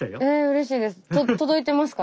うれしいです。